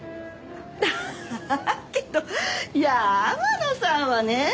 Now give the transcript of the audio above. だけど山野さんはねフフッ。